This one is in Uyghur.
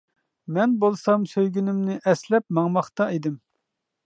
مەن بولسام سۆيگۈنۈمنى ئەسلەپ ماڭماقتا ئىدىم.